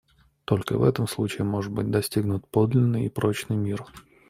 Только в этом случае может быть достигнут подлинный и прочный мир.